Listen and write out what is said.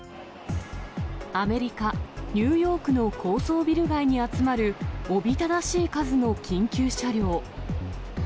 アメリカ・ニューヨークの高層ビル街に集まるおびただしい数の緊急車両。